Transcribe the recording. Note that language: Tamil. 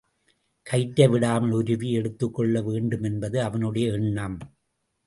கயிற்றை விடாமல் உருவி எடுத்துக்கொள்ள வேண்டுமென்பது அவனுடைய எண்ணம்.